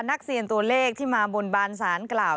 นักเสี่ยงตัวเลขที่มาบนบานศาลกล่าว